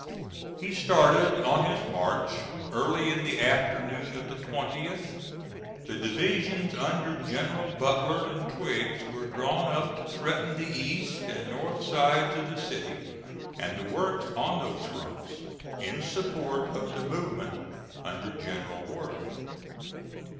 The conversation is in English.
He started on his march early in the afternoon of the 20th. The divisions under Generals Butler and Twiggs were drawn up to threaten the east and north sides of the city and the works on those fronts, in support of the movement under General Worth.